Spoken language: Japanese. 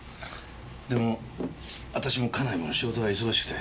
でも私も家内も仕事が忙しくて。